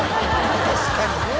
確かにね